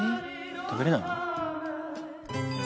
食べられないの？